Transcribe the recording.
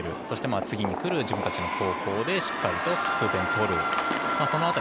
そして次にくる自分たちの後攻でしっかりと複数点を取る。